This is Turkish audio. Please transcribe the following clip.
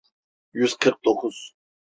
Yüz kırk dokuz.